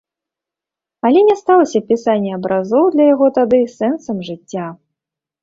Але не сталася пісанне абразоў для яго тады сэнсам жыцця.